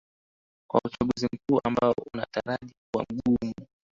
kwa uchaguzi mkuu ambao unataraji kuwa mgumu